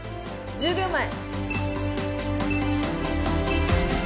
１０秒前。